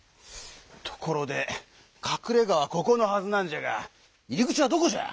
ところでかくれがはここのはずなんじゃが入り口はどこじゃ？